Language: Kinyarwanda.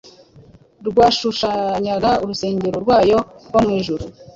rwashushanyaga urusengero rwayo rwo mu ijuru,